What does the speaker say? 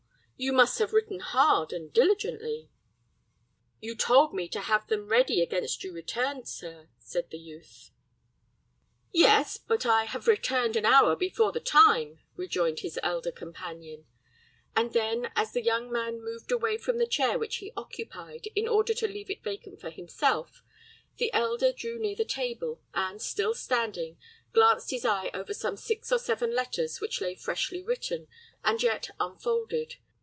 You must have written hard, and diligently." "You told me to have them ready against you returned, sir," said the youth. "Yes, but I have returned an hour before the time," rejoined his elder companion; and then, as the young man moved away from the chair which he occupied, in order to leave it vacant for himself, the elder drew near the table, and, still standing, glanced his eye over some six or seven letters which lay freshly written, and yet unfolded.